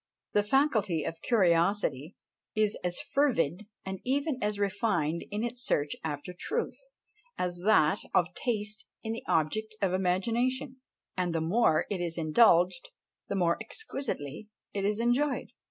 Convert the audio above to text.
The faculty of curiosity is as fervid, and even as refined in its search after truth, as that of taste in the objects of imagination; and the more it is indulged, the more exquisitely it is enjoyed!